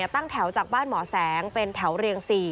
ตั้งแถวจากบ้านหมอแสงเป็นแถวเรียง๔